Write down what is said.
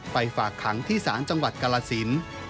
ฝากขังที่ศาลจังหวัดกรสิน